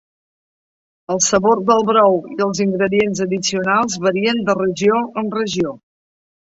El sabor del brou i els ingredients addicionals varien de regió en regió.